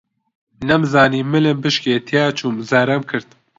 نەمزانی ملم بشکێ تیا چووم زەرەرم کرد